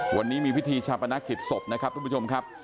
วันนี้มีพิธีชาปนกิจศพนะครับทุกผู้ชมครับ